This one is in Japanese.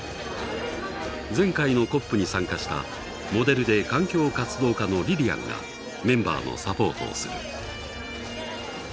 前回のＣＯＰに参加したモデルで環境活動家のりりあんがメンバーのサポートをする。